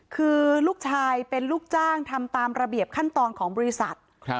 คือลูกชายเป็นลูกจ้างทำตามระเบียบขั้นตอนของบริษัท